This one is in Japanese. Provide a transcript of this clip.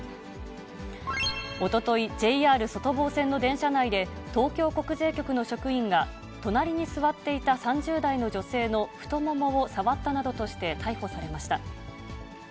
おととい、ＪＲ外房線の電車内で、東京国税局の職員が、隣に座っていた３０代の女性の太ももを触ったなどとして、逮捕されました。